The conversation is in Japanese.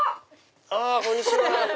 こんにちは。